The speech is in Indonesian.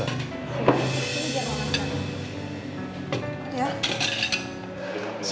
baik tidak usah